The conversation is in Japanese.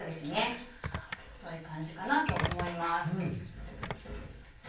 こういう感じかなと思います。